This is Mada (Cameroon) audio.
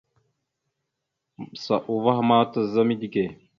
Maɓəsa uvah a ma taza midǝge.